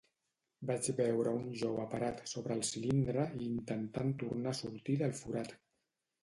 Vaig veure un jove parat sobre el cilindre i intentant tornar a sortir del forat.